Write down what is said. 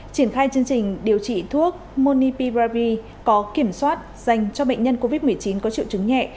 triển khai chương trình điều trị thuốc monipi bravi có kiểm soát dành cho bệnh nhân covid một mươi chín có triệu chứng nhẹ